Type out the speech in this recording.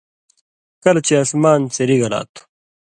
کلہۡ چے اسمان څِری گلا تُھو،